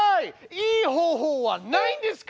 いい方法はないんですか！